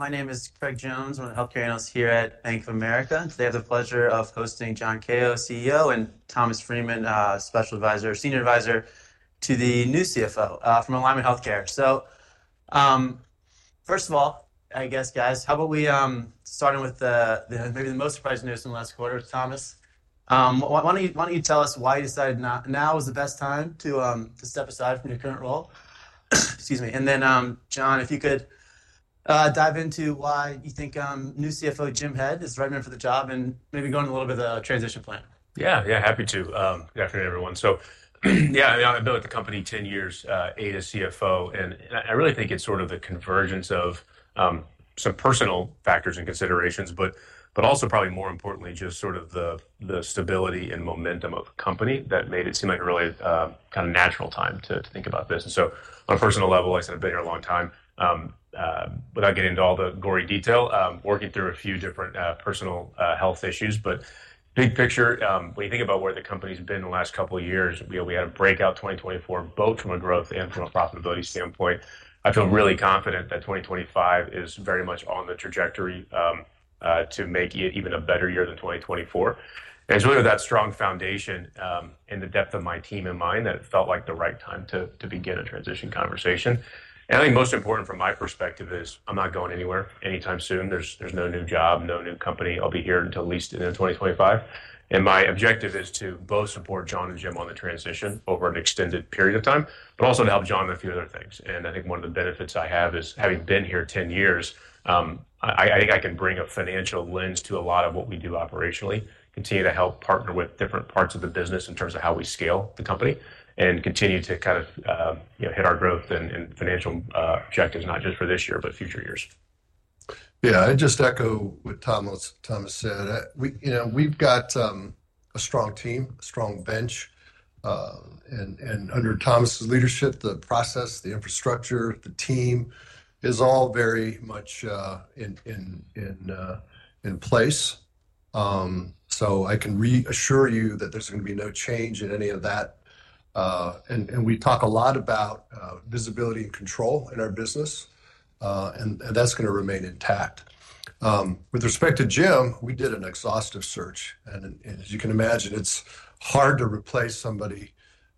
My name is Craig Jones. I'm a Healthcare Analyst here at Bank of America. Today, I have the pleasure of hosting John Kao, CEO, and Thomas Freeman, Senior Advisor to the new CFO from Alignment Healthcare. First of all, I guess, guys, how about we start with maybe the most surprising news from the last quarter, Thomas? Why don't you tell us why you decided now is the best time to step aside from your current role? Excuse me. Then, John, if you could dive into why you think new CFO Jim Head is right here for the job and maybe go into a little bit of the transition plan. Yeah, yeah, happy to. Good afternoon, everyone. Yeah, I've been with the company 10 years, as CFO. I really think it's sort of the convergence of some personal factors and considerations, but also, probably more importantly, just sort of the stability and momentum of the company that made it seem like a really kind of natural time to think about this. On a personal level, I said I've been here a long time without getting into all the gory detail, working through a few different personal health issues. Big picture, when you think about where the company's been in the last couple of years, we had a breakout 2024, both from a growth and from a profitability standpoint. I feel really confident that 2025 is very much on the trajectory to make it even a better year than 2024. It is really with that strong foundation and the depth of my team in mind that it felt like the right time to begin a transition conversation. I think most important from my perspective is I'm not going anywhere anytime soon. There's no new job, no new company. I'll be here until at least in 2025. My objective is to both support John and Jim on the transition over an extended period of time, but also to help John with a few other things. I think one of the benefits I have is having been here 10 years, I think I can bring a financial lens to a lot of what we do operationally, continue to help partner with different parts of the business in terms of how we scale the company, and continue to kind of hit our growth and financial objectives, not just for this year, but future years. Yeah, I just echo what Thomas said. We've got a strong team, a strong bench. Under Thomas's leadership, the process, the infrastructure, the team is all very much in place. I can reassure you that there's going to be no change in any of that. We talk a lot about visibility and control in our business, and that's going to remain intact. With respect to Jim, we did an exhaustive search. As you can imagine, it's hard to replace somebody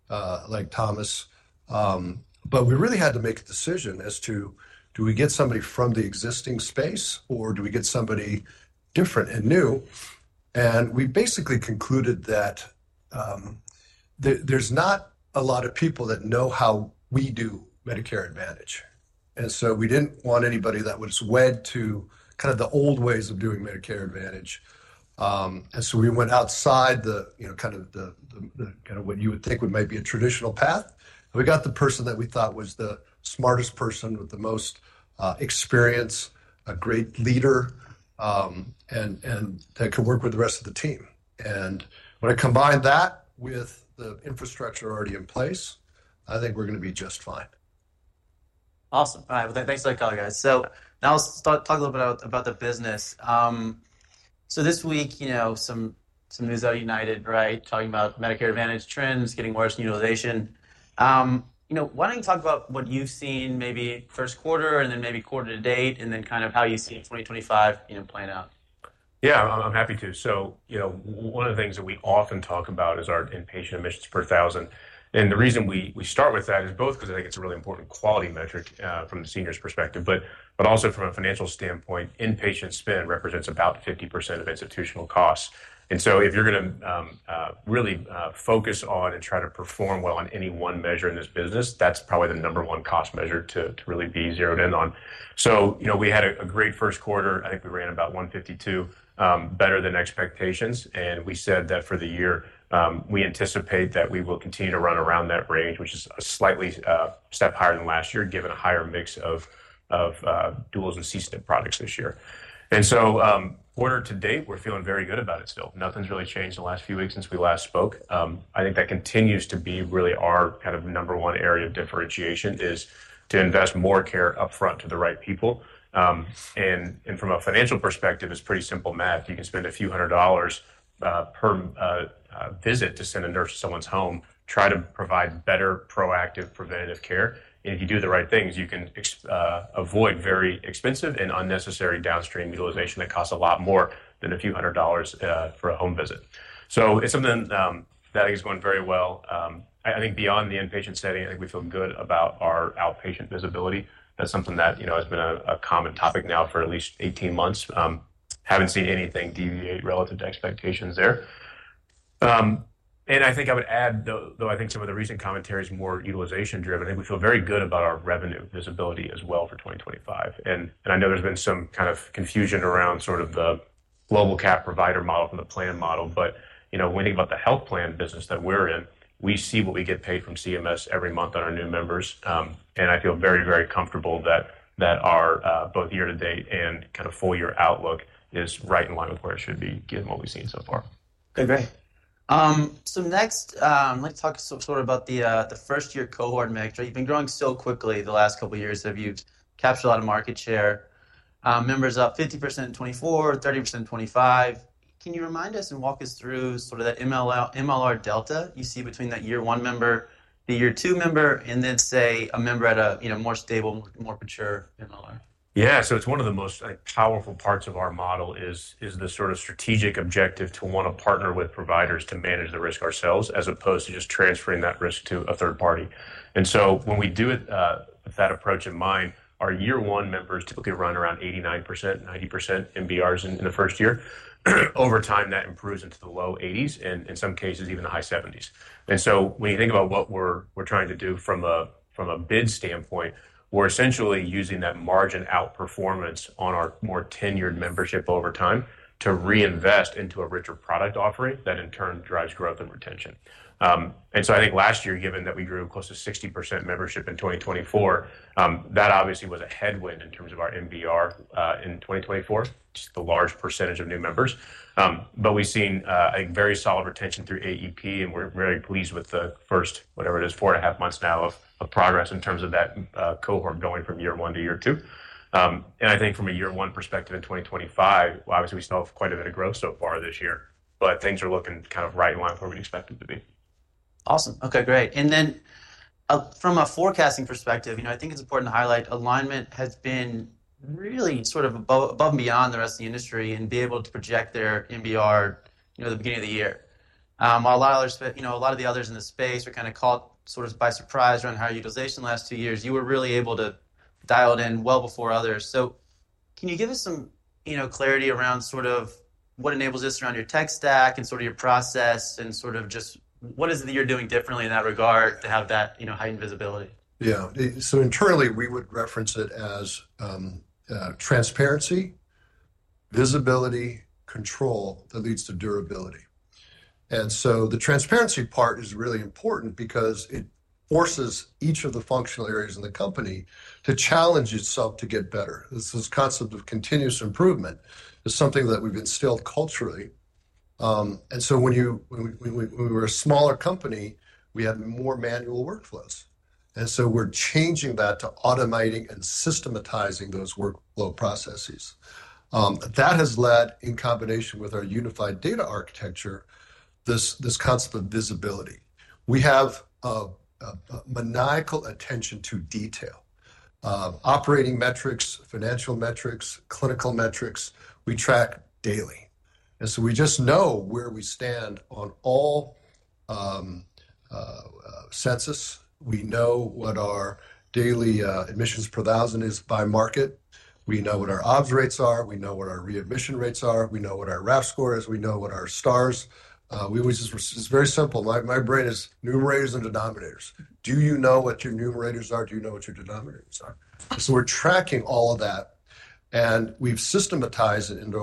like Thomas. We really had to make a decision as to, do we get somebody from the existing space, or do we get somebody different and new? We basically concluded that there's not a lot of people that know how we do Medicare Advantage. We didn't want anybody that was wed to kind of the old ways of doing Medicare Advantage. We went outside kind of what you would think would maybe be a traditional path. We got the person that we thought was the smartest person with the most experience, a great leader, and that could work with the rest of the team. When I combine that with the infrastructure already in place, I think we're going to be just fine. Awesome. All right. Thanks for the call, guys. Now let's talk a little bit about the business. This week, some news out of United, right, talking about Medicare Advantage trends, getting worse utilization. Why don't you talk about what you've seen maybe first quarter and then maybe quarter to date, and then kind of how you see 2025 playing out? Yeah, I'm happy to. One of the things that we often talk about is our inpatient admissions per 1,000. The reason we start with that is both because I think it's a really important quality metric from the senior's perspective, but also from a financial standpoint, inpatient spend represents about 50% of institutional costs. If you're going to really focus on and try to perform well on any one measure in this business, that's probably the number one cost measure to really be zeroed in on. We had a great first quarter. I think we ran about 152, better than expectations. We said that for the year, we anticipate that we will continue to run around that range, which is a slightly step higher than last year, given a higher mix of duals and CSNP products this year. Quarter-to-date, we're feeling very good about it still. Nothing's really changed in the last few weeks since we last spoke. I think that continues to be really our kind of number one area of differentiation is to invest more care upfront to the right people. From a financial perspective, it's pretty simple math. You can spend a few hundred dollars per visit to send a nurse to someone's home, try to provide better proactive preventative care. If you do the right things, you can avoid very expensive and unnecessary downstream utilization that costs a lot more than a few hundred dollars for a home visit. It's something that I think is going very well. I think beyond the inpatient setting, we feel good about our outpatient visibility. That's something that has been a common topic now for at least 18 months. Haven't seen anything deviate relative to expectations there. I think I would add, though I think some of the recent commentary is more utilization-driven. I think we feel very good about our revenue visibility as well for 2025. I know there's been some kind of confusion around sort of the global cap provider model from the plan model. When we think about the health plan business that we're in, we see what we get paid from CMS every month on our new members. I feel very, very comfortable that our both year-to-date and kind of full-year outlook is right in line with where it should be given what we've seen so far. Okay. Great. Next, I'd like to talk sort of about the first-year cohort mix. You've been growing so quickly the last couple of years. You've captured a lot of market share. Members up 50% in 2024, 30% in 2025. Can you remind us and walk us through sort of that MLR delta you see between that year-one member, the year-two member, and then, say, a member at a more stable, more mature MLR? Yeah. It is one of the most powerful parts of our model, the sort of strategic objective to want to partner with providers to manage the risk ourselves as opposed to just transferring that risk to a third party. When we do it with that approach in mind, our year-one members typically run around 89%-90% MLRs in the first year. Over time, that improves into the low 80s and, in some cases, even the high 70s. When you think about what we are trying to do from a bid standpoint, we are essentially using that margin outperformance on our more tenured membership over time to reinvest into a richer product offering that, in turn, drives growth and retention. I think last year, given that we grew close to 60% membership in 2024, that obviously was a headwind in terms of our MLR in 2024, just the large percentage of new members. We have seen a very solid retention through AEP, and we are very pleased with the first, whatever it is, four and a half months now of progress in terms of that cohort going from year one to year two. I think from a year-one perspective in 2025, obviously, we still have quite a bit of growth so far this year, but things are looking kind of right in line with what we expected to be. Awesome. Okay. Great. Then from a forecasting perspective, I think it's important to highlight Alignment has been really sort of above and beyond the rest of the industry in being able to project their MLR at the beginning of the year. While a lot of the others in the space were kind of caught sort of by surprise around higher utilization the last two years, you were really able to dial it in well before others. Can you give us some clarity around what enables this around your tech stack and your process and just what is it that you're doing differently in that regard to have that heightened visibility? Yeah. Internally, we would reference it as transparency, visibility, control that leads to durability. The transparency part is really important because it forces each of the functional areas in the company to challenge itself to get better. This concept of continuous improvement is something that we've instilled culturally. When we were a smaller company, we had more manual workflows. We're changing that to automating and systematizing those workflow processes. That has led, in combination with our unified data architecture, to this concept of visibility. We have a maniacal attention to detail. Operating metrics, financial metrics, clinical metrics, we track daily. We just know where we stand on all census. We know what our daily admissions per 1,000 is by market. We know what our ops rates are. We know what our readmission rates are. We know what our RAF score is. We know what our stars. It's very simple. My brain is numerators and denominators. Do you know what your numerators are? Do you know what your denominators are? We're tracking all of that, and we've systematized it into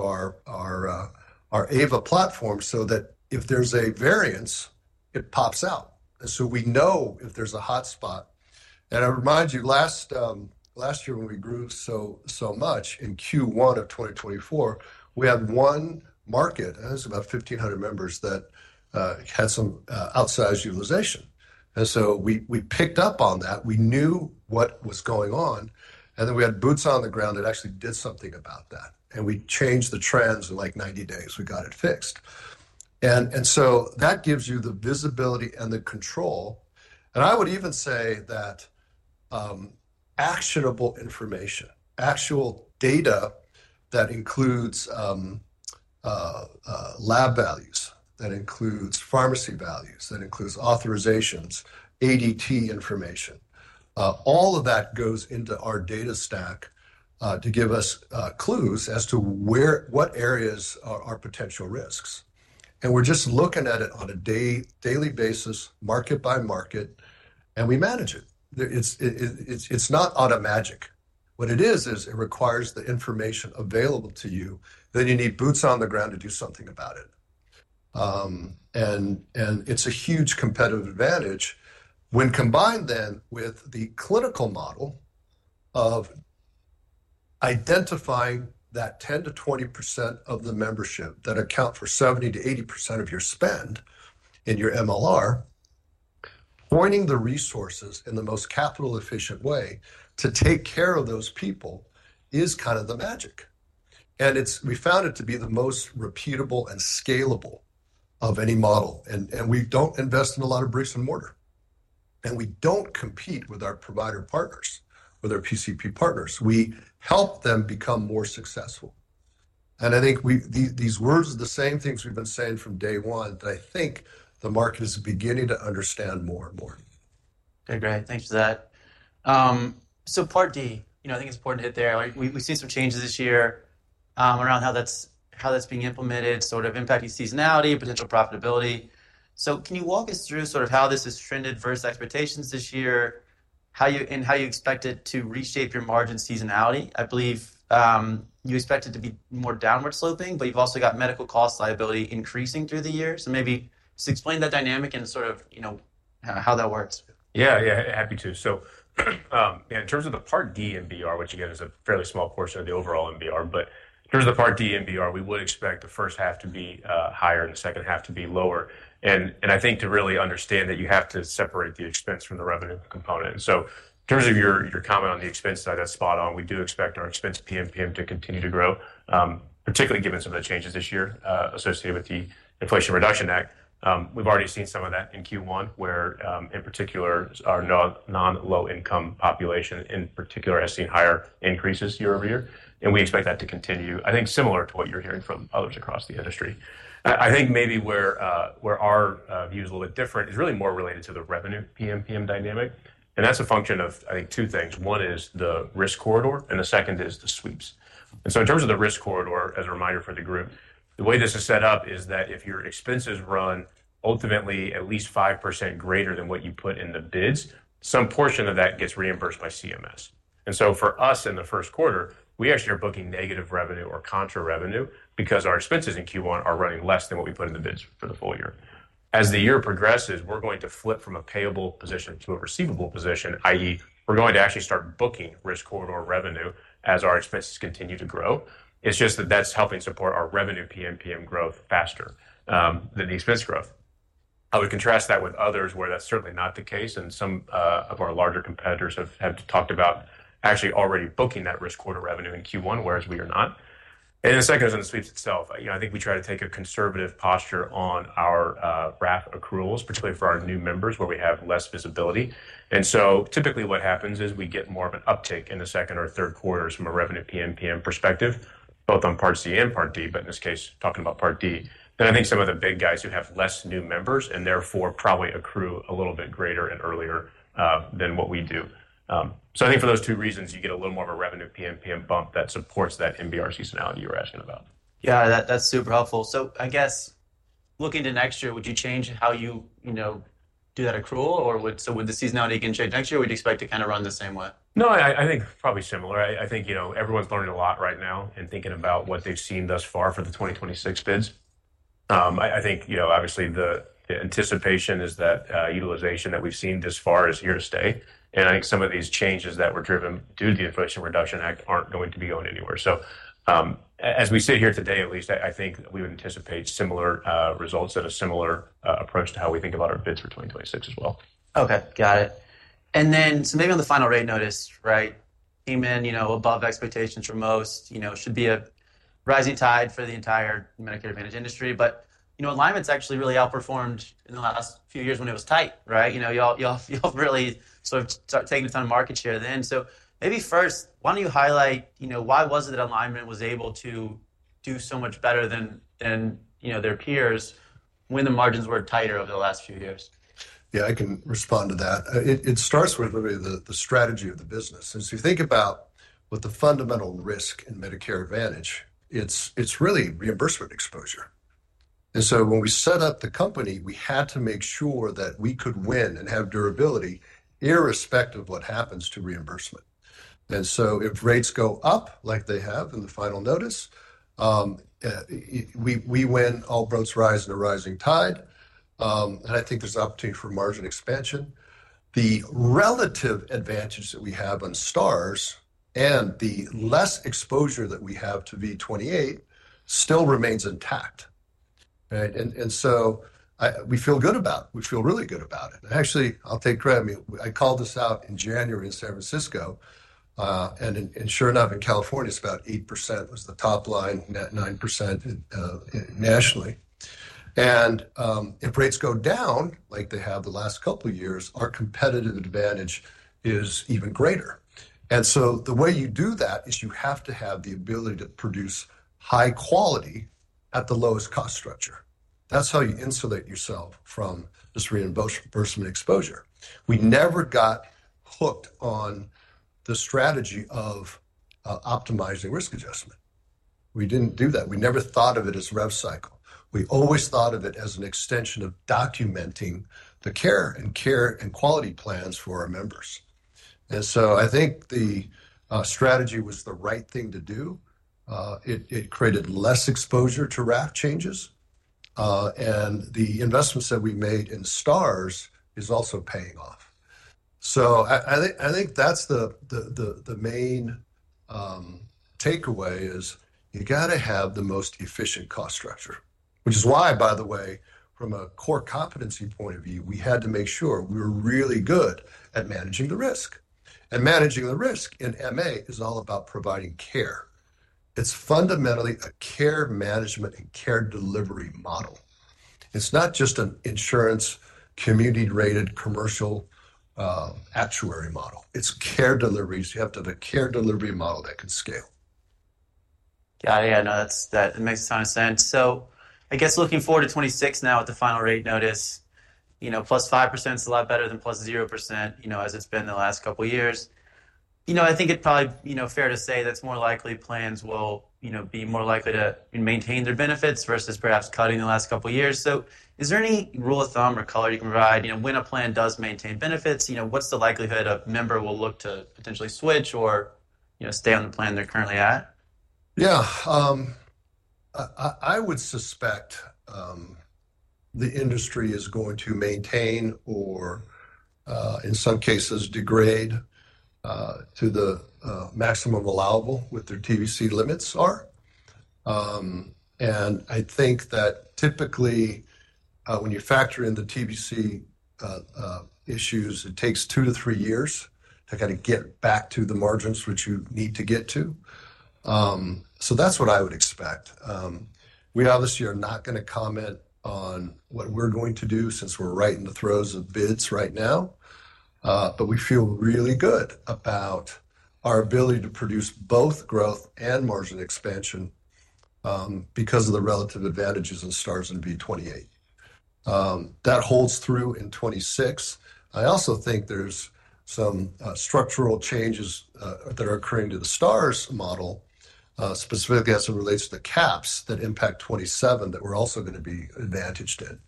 our AVA platform so that if there's a variance, it pops out. We know if there's a hotspot. I remind you, last year when we grew so much in Q1 of 2024, we had one market, and it was about 1,500 members that had some outsized utilization. We picked up on that. We knew what was going on. We had boots on the ground that actually did something about that. We changed the trends in like 90 days. We got it fixed. That gives you the visibility and the control. I would even say that actionable information, actual data that includes lab values, that includes pharmacy values, that includes authorizations, ADT information, all of that goes into our data stack to give us clues as to what areas are potential risks. We're just looking at it on a daily basis, market-by-market, and we manage it. It's not automatic. What it is, is it requires the information available to you that you need boots on the ground to do something about it. It's a huge competitive advantage when combined then with the clinical model of identifying that 10-20% of the membership that account for 70-80% of your spend in your MLR, pointing the resources in the most capital-efficient way to take care of those people is kind of the magic. We found it to be the most repeatable and scalable of any model. We do not invest in a lot of bricks and mortar. We do not compete with our provider partners, with our PCP partners. We help them become more successful. I think these words are the same things we have been saying from day one that I think the market is beginning to understand more and more. Okay. Great. Thanks for that. Part D, I think it's important to hit there. We've seen some changes this year around how that's being implemented, sort of impacting seasonality, potential profitability. Can you walk us through sort of how this has trended versus expectations this year and how you expect it to reshape your margin seasonality? I believe you expect it to be more downward sloping, but you've also got medical cost liability increasing through the year. Maybe just explain that dynamic and sort of how that works. Yeah. Yeah. Happy to. In terms of the Part D MLR, which again is a fairly small portion of the overall MLR, in terms of the Part D MLR, we would expect the first half to be higher and the second half to be lower. I think to really understand that you have to separate the expense from the revenue component. In terms of your comment on the expense side, that's spot on. We do expect our expense PMPM to continue to grow, particularly given some of the changes this year associated with the Inflation Reduction Act. We've already seen some of that in Q1, where in particular, our non-low-income population in particular has seen higher increases year over year. We expect that to continue, I think, similar to what you're hearing from others across the industry. I think maybe where our view is a little bit different is really more related to the revenue PMPM dynamic. That is a function of, I think, two things. One is the risk corridor, and the second is the sweeps. In terms of the risk corridor, as a reminder for the group, the way this is set up is that if your expenses run ultimately at least 5% greater than what you put in the bids, some portion of that gets reimbursed by CMS. For us in the first quarter, we actually are booking negative revenue or contra revenue because our expenses in Q1 are running less than what we put in the bids for the full year. As the year progresses, we're going to flip from a payable position to a receivable position, i.e., we're going to actually start booking risk corridor revenue as our expenses continue to grow. It's just that that's helping support our revenue PMPM growth faster than the expense growth. I would contrast that with others where that's certainly not the case. Some of our larger competitors have talked about actually already booking that risk corridor revenue in Q1, whereas we are not. The second is in the sweeps itself. I think we try to take a conservative posture on our RAF accruals, particularly for our new members, where we have less visibility. Typically what happens is we get more of an uptick in the second or third quarters from a revenue PMPM perspective, both on Part C and Part D, but in this case, talking about Part D. I think some of the big guys who have less new members and therefore probably accrue a little bit greater and earlier than what we do. I think for those two reasons, you get a little more of a revenue PMPM bump that supports that MLR seasonality you were asking about. Yeah. That's super helpful. I guess looking to next year, would you change how you do that accrual? Or would the seasonality again change next year? Would you expect to kind of run the same way? No. I think probably similar. I think everyone's learning a lot right now and thinking about what they've seen thus far for the 2026 bids. I think, obviously, the anticipation is that utilization that we've seen thus far is here to stay. I think some of these changes that were driven due to the Inflation Reduction Act aren't going to be going anywhere. As we sit here today, at least, I think we would anticipate similar results and a similar approach to how we think about our bids for 2026 as well. Okay. Got it. And then maybe on the final rate notice, right, came in above expectations for most, should be a rising tide for the entire Medicare Advantage industry. But Alignment's actually really outperformed in the last few years when it was tight, right? You all really sort of started taking a ton of market share then. Maybe first, why don't you highlight why was it that Alignment was able to do so much better than their peers when the margins were tighter over the last few years? Yeah. I can respond to that. It starts with really the strategy of the business. And so you think about what the fundamental risk in Medicare Advantage, it's really reimbursement exposure. And so when we set up the company, we had to make sure that we could win and have durability irrespective of what happens to reimbursement. And so if rates go up like they have in the final notice, we win, all boats rise in a rising tide. I think there's opportunity for margin expansion. The relative advantage that we have on stars and the less exposure that we have to V28 still remains intact. And so we feel good about it. We feel really good about it. Actually, I'll take credit. I mean, I called this out in January in San Francisco. And sure enough, in California, it's about 8% was the top line, net 9% nationally. If rates go down like they have the last couple of years, our competitive advantage is even greater. The way you do that is you have to have the ability to produce high quality at the lowest cost structure. That is how you insulate yourself from this reimbursement exposure. We never got hooked on the strategy of optimizing risk adjustment. We did not do that. We never thought of it as rev cycle. We always thought of it as an extension of documenting the care and care and quality plans for our members. I think the strategy was the right thing to do. It created less exposure to RAF changes. The investments that we made in stars is also paying off. I think that's the main takeaway is you got to have the most efficient cost structure, which is why, by the way, from a core competency point of view, we had to make sure we were really good at managing the risk. And managing the risk in MA is all about providing care. It's fundamentally a care management and care delivery model. It's not just an insurance community-rated commercial actuary model. It's care deliveries. You have to have a care delivery model that can scale. Got it. Yeah. No, that makes a ton of sense. I guess looking forward to 2026 now at the final rate notice, plus 5% is a lot better than plus 0% as it's been the last couple of years. I think it's probably fair to say that's more likely plans will be more likely to maintain their benefits versus perhaps cutting the last couple of years. Is there any rule of thumb or color you can provide? When a plan does maintain benefits, what's the likelihood a member will look to potentially switch or stay on the plan they're currently at? Yeah. I would suspect the industry is going to maintain or, in some cases, degrade to the maximum allowable with their TVC limits are. I think that typically when you factor in the TVC issues, it takes two to three years to kind of get back to the margins which you need to get to. That's what I would expect. We, obviously, are not going to comment on what we're going to do since we're right in the throes of bids right now. We feel really good about our ability to produce both growth and margin expansion because of the relative advantages in stars and V28. That holds through in 2026. I also think there's some structural changes that are occurring to the stars model, specifically as it relates to the caps that impact 2027 that we're also going to be advantaged in.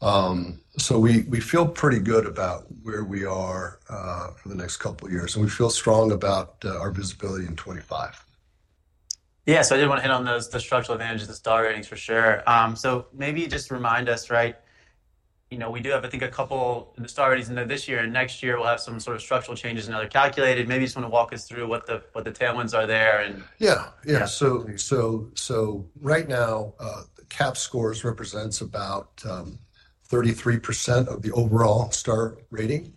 We feel pretty good about where we are for the next couple of years. We feel strong about our visibility in 2025. Yeah. I did want to hit on the structural advantage of the star ratings for sure. Maybe just remind us, right? We do have, I think, a couple of star ratings in this year. Next year, we'll have some sort of structural changes in how they're calculated. Maybe you just want to walk us through what the tailwinds are there. Yeah. Yeah. Absolutely. Right now, cap scores represent about 33% of the overall star rating.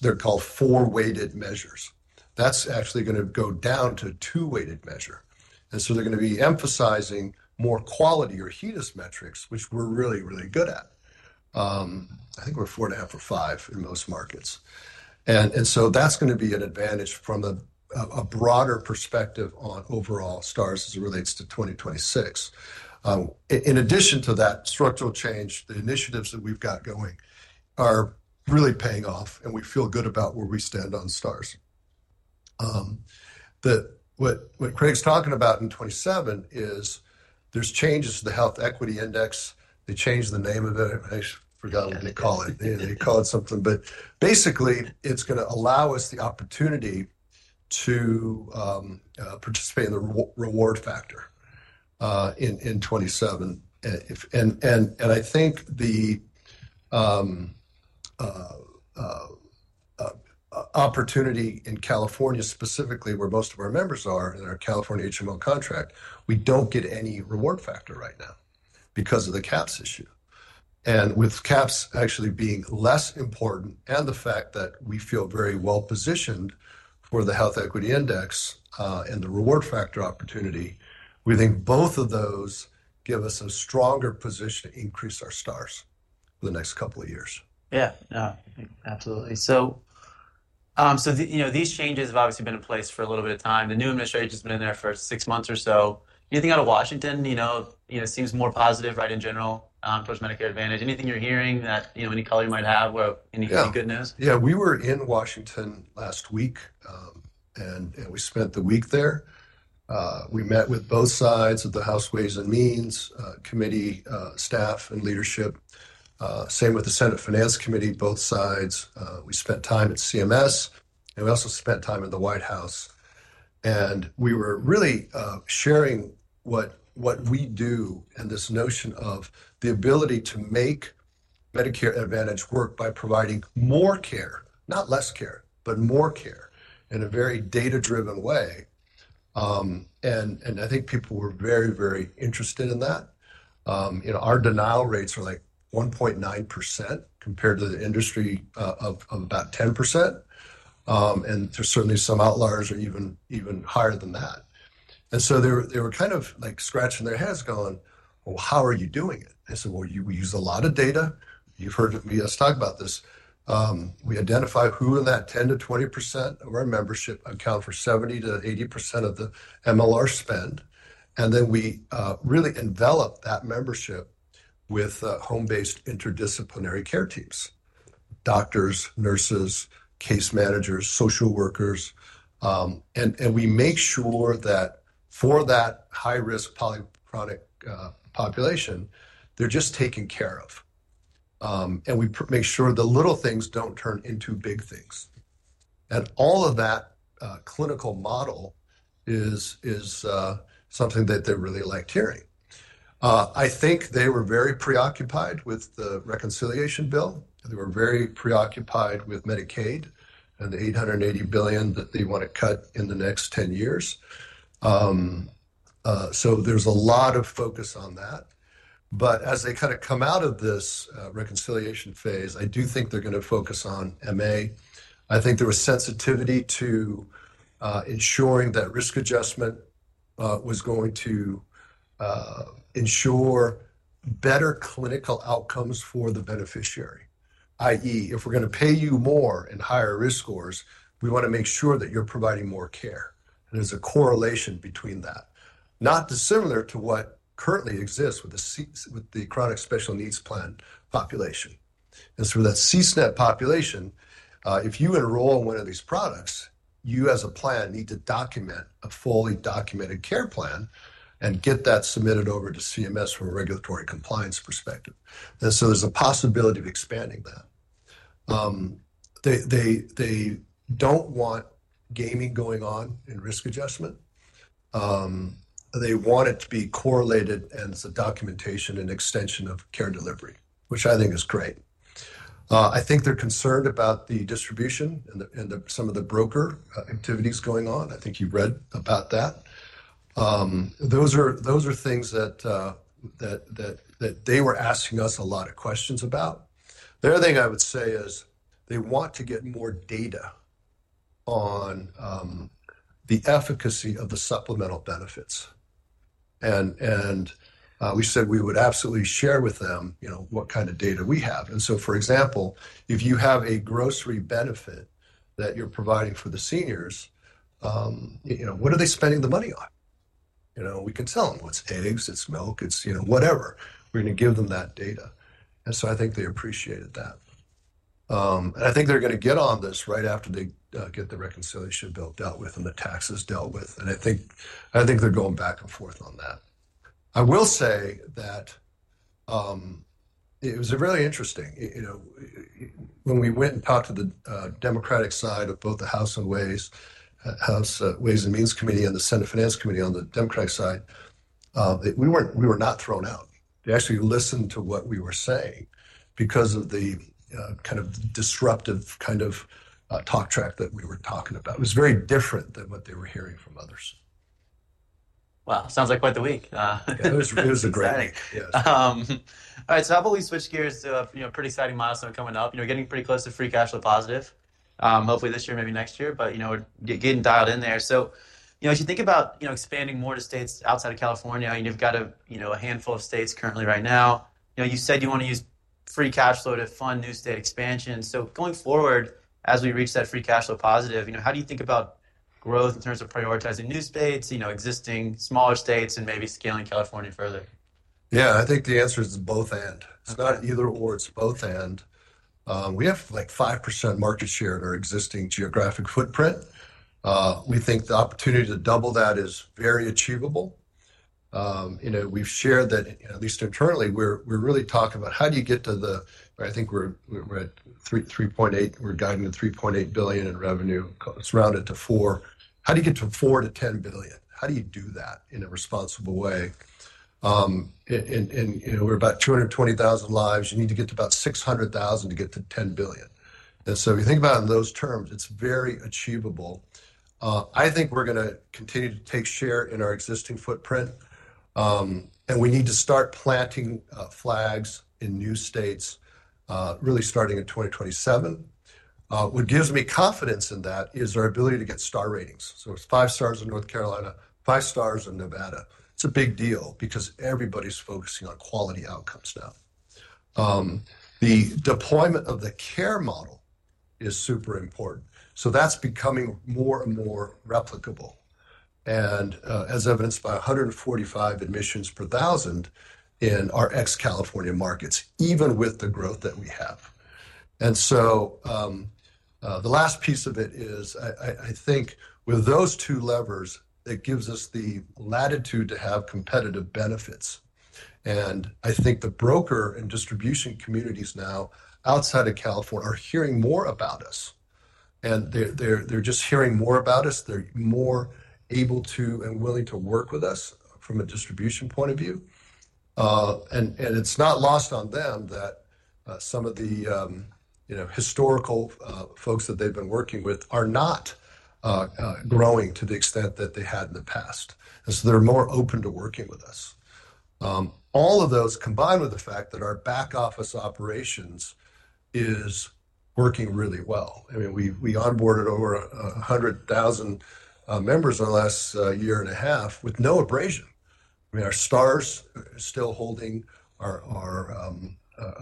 They're called four-weighted measures. That's actually going to go down to a two-weighted measure. They're going to be emphasizing more quality or HEDIS metrics, which we're really, really good at. I think we're four and a half or five in most markets. That's going to be an advantage from a broader perspective on overall stars as it relates to 2026. In addition to that structural change, the initiatives that we've got going are really paying off. We feel good about where we stand on stars. What Craig's talking about in 2027 is there's changes to the Health Equity Index. They changed the name of it. I forgot what they call it. They call it something. Basically, it's going to allow us the opportunity to participate in the reward factor in 2027. I think the opportunity in California specifically, where most of our members are in our California HMO contract, we don't get any reward factor right now because of the caps issue. With caps actually being less important and the fact that we feel very well positioned for the Health Equity Index and the reward factor opportunity, we think both of those give us a stronger position to increase our stars for the next couple of years. Yeah. Yeah. Absolutely. So these changes have obviously been in place for a little bit of time. The new administration has been in there for six months or so. Anything out of Washington seems more positive, right, in general towards Medicare Advantage? Anything you're hearing that any color you might have or any good news? Yeah. We were in Washington last week. We spent the week there. We met with both sides of the House Ways and Means Committee staff and leadership. Same with the Senate Finance Committee, both sides. We spent time at CMS. We also spent time in the White House. We were really sharing what we do and this notion of the ability to make Medicare Advantage work by providing more care, not less care, but more care in a very data-driven way. I think people were very, very interested in that. Our denial rates are like 1.9% compared to the industry of about 10%. There are certainly some outliers or even higher than that. They were kind of scratching their heads going, "Well, how are you doing it?" I said, "Well, we use a lot of data. You've heard me talk about this. We identify who in that 10-20% of our membership account for 70-80% of the MLR spend. We really envelop that membership with home-based interdisciplinary care teams: doctors, nurses, case managers, social workers. We make sure that for that high-risk polychronic population, they're just taken care of. We make sure the little things do not turn into big things. All of that clinical model is something that they really liked hearing. I think they were very preoccupied with the reconciliation bill. They were very preoccupied with Medicaid and the $880 billion that they want to cut in the next 10 years. There is a lot of focus on that. As they kind of come out of this reconciliation phase, I do think they're going to focus on MA. I think there was sensitivity to ensuring that risk adjustment was going to ensure better clinical outcomes for the beneficiary, i.e., if we're going to pay you more in higher risk scores, we want to make sure that you're providing more care. There's a correlation between that, not dissimilar to what currently exists with the Chronic Special Needs Plan population. For that CSNP population, if you enroll in one of these products, you as a plan need to document a fully documented care plan and get that submitted over to CMS from a regulatory compliance perspective. There's a possibility of expanding that. They do not want gaming going on in risk adjustment. They want it to be correlated and it's a documentation and extension of care delivery, which I think is great. I think they're concerned about the distribution and some of the broker activities going on. I think you've read about that. Those are things that they were asking us a lot of questions about. The other thing I would say is they want to get more data on the efficacy of the supplemental benefits. We said we would absolutely share with them what kind of data we have. For example, if you have a grocery benefit that you're providing for the seniors, what are they spending the money on? We can tell them it's eggs, it's milk, it's whatever. We're going to give them that data. I think they appreciated that. I think they're going to get on this right after they get the reconciliation bill dealt with and the taxes dealt with. I think they're going back and forth on that. I will say that it was really interesting. When we went and talked to the Democratic side of both the House and Ways and Means Committee and the Senate Finance Committee on the Democratic side, we were not thrown out. They actually listened to what we were saying because of the kind of disruptive kind of talk track that we were talking about. It was very different than what they were hearing from others. Wow. Sounds like quite the week. It was exciting. All right. I believe switch gears to a pretty exciting milestone coming up. You're getting pretty close to free cash flow positive. Hopefully this year, maybe next year, but getting dialed in there. As you think about expanding more to states outside of California, you've got a handful of states currently right now. You said you want to use free cash flow to fund new state expansion. Going forward, as we reach that free cash flow positive, how do you think about growth in terms of prioritizing new states, existing smaller states, and maybe scaling California further? Yeah. I think the answer is both and. It's not either or. It's both and. We have like 5% market share in our existing geographic footprint. We think the opportunity to double that is very achievable. We've shared that, at least internally, we're really talking about how do you get to the, I think we're at 3.8. We're guiding to $3.8 billion in revenue. It's rounded to $4 billion. How do you get from $4 billion to $10 billion? How do you do that in a responsible way? We're about 220,000 lives. You need to get to about 600,000 to get to $10 billion. If you think about it in those terms, it's very achievable. I think we're going to continue to take share in our existing footprint. We need to start planting flags in new states really starting in 2027. What gives me confidence in that is our ability to get star ratings. It is five stars in North Carolina, five stars in Nevada. It is a big deal because everybody is focusing on quality outcomes now. The deployment of the care model is super important. That is becoming more and more replicable. As evidenced by 145 admissions per 1,000 in our ex-California markets, even with the growth that we have. The last piece of it is, I think with those two levers, it gives us the latitude to have competitive benefits. I think the broker and distribution communities now outside of California are hearing more about us. They are just hearing more about us. They are more able to and willing to work with us from a distribution point of view. It is not lost on them that some of the historical folks that they've been working with are not growing to the extent that they had in the past. They are more open to working with us. All of those combined with the fact that our back office operations is working really well. I mean, we onboarded over 100,000 members in the last year and a half with no abrasion. I mean, our stars are still holding, our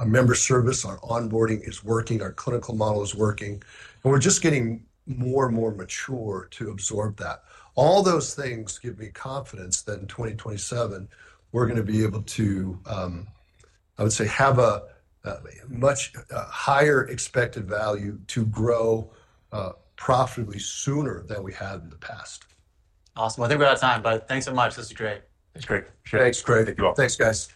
member service, our onboarding is working, our clinical model is working, and we're just getting more and more mature to absorb that. All those things give me confidence that in 2027, we're going to be able to, I would say, have a much higher expected value to grow profitably sooner than we had in the past. Awesome. I think we're out of time. But thanks so much. This was great. Thanks, Craig. Thanks, Craig. Thank you all. Thanks, guys.